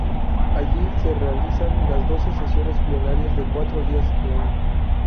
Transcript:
Allí se realizan las doce sesiones plenarias de cuatro días al año.